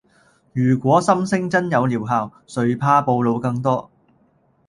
如果心聲真有療效，誰怕暴露更多